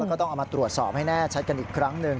ก็ต้องเอามาตรวจสอบให้แน่ชัดกันอีกครั้งหนึ่ง